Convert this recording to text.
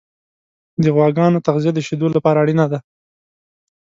د غواګانو تغذیه د شیدو لپاره اړینه ده.